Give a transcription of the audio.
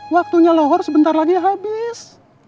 waktunya lohor sebentar lagi habis